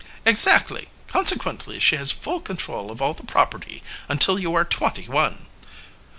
"Exactly. Consequently she has full control of all the property until you are twenty one."